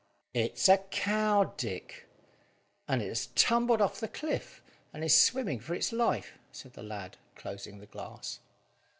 "It's a cow, Dick; and it has tumbled off the cliff, and is swimming for its life," said the lad, closing the glass.